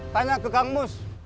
tanya ke kang mus